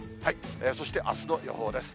そして、あすの予報です。